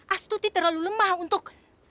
astuti terlalu lemah untuk